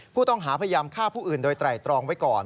ผู้ต้องหาพยายามฆ่าผู้อื่นโดยไตรตรองไว้ก่อน